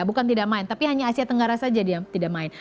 bukan tidak main tapi hanya asia tenggara saja dia tidak main